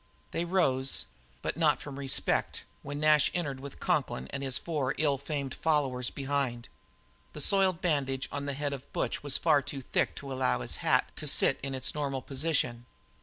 They rose, but not from respect, when Nash entered with Conklin and his four ill famed followers behind. The soiled bandage on the head of Butch was far too thick to allow his hat to sit in its normal position.